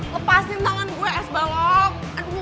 lepasin tangan gue es balok